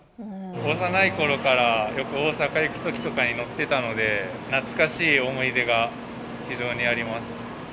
幼いころからよく大阪行くときとかに乗ってたので、懐かしい思い出が非常にあります。